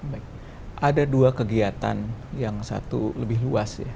baik ada dua kegiatan yang satu lebih luas ya